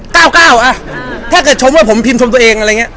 เก้าเก้าอ่ะถ้าเกิดชมว่าผมพิมพ์ชมตัวเองอะไรอย่างเงี้ยอ่า